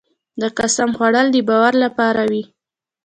د قسم خوړل د باور لپاره وي.